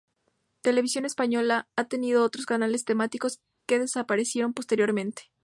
Televisión Española ha tenido otros canales temáticos que desaparecieron posteriormente.